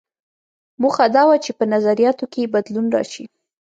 موخه دا وه چې په نظریاتو کې یې بدلون راشي.